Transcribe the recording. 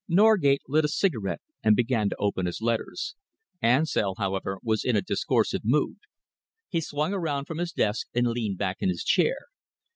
Norgate lit a cigarette and began to open his letters. Ansell, however, was in a discoursive mood. He swung around from his desk and leaned back in his chair.